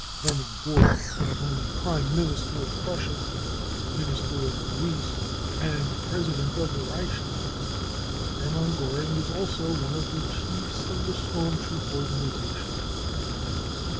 5 Hermann Goering is not only Prime Minister of Prussia Minister of Police and President of the Reichstag. Hermann Goering is also one of the chiefs of the storm troop organi sation.